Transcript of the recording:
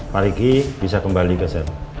pak riki bisa kembali ke sana